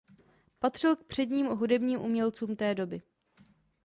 Patřil k předním hudebním umělcům té doby.